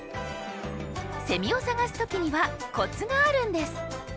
セミを探す時にはコツがあるんです。